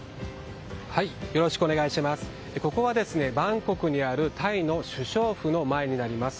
ここはバンコクにあるタイの首相府の前になります。